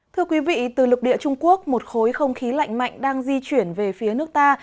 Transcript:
thưa quý vị từ lục địa trung quốc một khối không khí lạnh mạnh đang di chuyển về phía nước ta